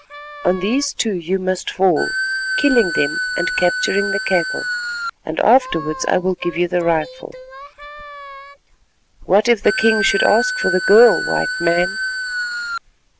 On these two you must fall, killing them and capturing the cattle, and afterwards I will give you the rifle." "What if the king should ask for the girl, White Man?"